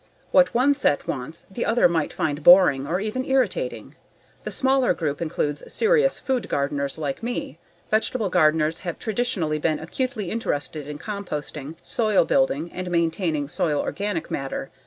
What one set wants the other might find boring or even irritating. The smaller group includes serious food gardeners like me. Vegetable gardeners have traditionally been acutely interested in composting, soil building, and maintaining soil organic matter.